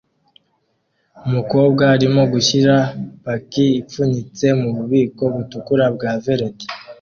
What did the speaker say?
Umugore arimo gushyira paki ipfunyitse mububiko butukura bwa veleti